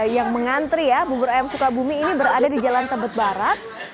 yang mengantri ya bubur ayam sukabumi ini berada di jalan tebet barat